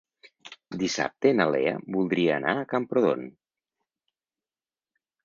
Dissabte na Lea voldria anar a Camprodon.